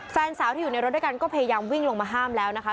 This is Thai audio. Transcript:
แฟนสาวที่อยู่ในรถด้วยกันก็พยายามวิ่งลงมาห้ามแล้วนะคะ